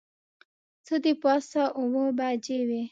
څه د پاسه اوه بجې وې.